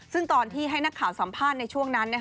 ซึ่งตอนที่ให้นักข่าวสัมภาษณ์ในช่วงนั้น